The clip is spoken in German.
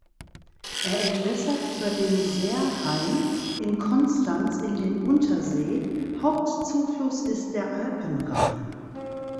Er entwässert über den Seerhein in Konstanz in den Untersee, Hauptzufluss ist der Alpenrhein.